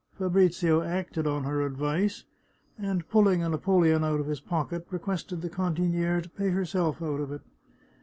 Fabrizio acted on her advice, and, pulling a napoleon out of his pocket, requested the cantiniere to pay herself out of it.